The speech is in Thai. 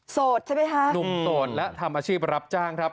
ใช่ไหมคะหนุ่มโสดและทำอาชีพรับจ้างครับ